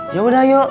ya udah yuk